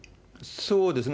そうですね。